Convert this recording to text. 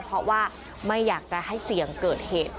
เพราะว่าไม่อยากจะให้เสี่ยงเกิดเหตุ